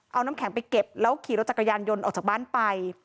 เอาน้ำแข็งไปเก็บแล้วขี่รถจักรยานยนต์ออกจากบ้านไป